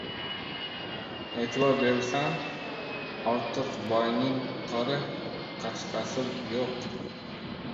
E’tibor bersam, Ortiqboyning qora qashqasi yo‘q.